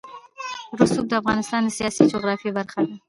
رسوب د افغانستان د سیاسي جغرافیه برخه ده.